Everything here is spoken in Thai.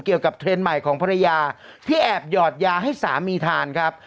เกี่ยวกับเทรนด์ใหม่ของพระยาที่แอบหยอดยาให้สามีทานครับ